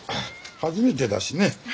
初めてだしね。